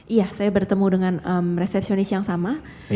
iya saya bertemu dengan resepsionis yang sama